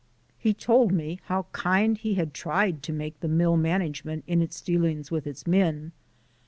He told me how kind he had tried to make the mill management in its dealings with its men.